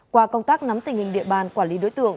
qua công tác nắm tình hình địa bàn quản lý đối tượng